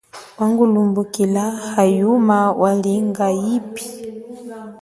Wangulumbukila hayuma walinga yipi.